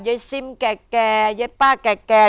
ยํะซิมแง่ยํป้าแก่